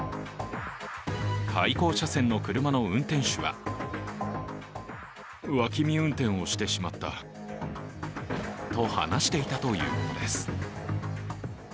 対向車線の車の運転手はと話していたということです。